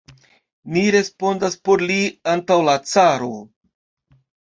Ni respondas por li antaŭ la caro.